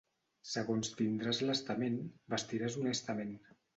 Segons tindràs l'estament, vestiràs honestament.